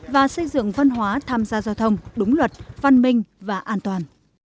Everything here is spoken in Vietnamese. và xây dựng văn hóa tham gia giao thông đúng luật văn minh và an toàn